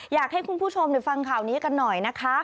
อยากให้คุณผู้ชมฟังข่าวนี้กันหน่อยนะคะ